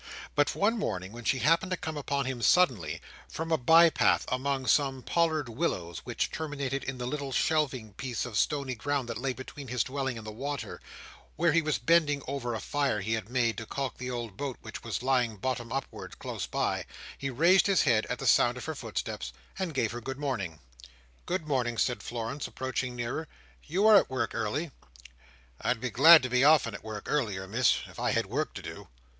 But one morning when she happened to come upon him suddenly, from a by path among some pollard willows which terminated in the little shelving piece of stony ground that lay between his dwelling and the water, where he was bending over a fire he had made to caulk the old boat which was lying bottom upwards, close by, he raised his head at the sound of her footstep, and gave her Good morning. "Good morning," said Florence, approaching nearer, "you are at work early." "I'd be glad to be often at work earlier, Miss, if I had work to do."